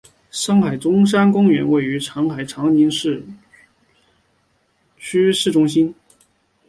上海中山公园位于上海长宁区市中心。